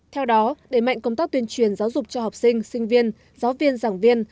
theo đó đẩy mạnh công tác tuyên truyền giáo dục cho học sinh sinh viên giáo viên giảng viên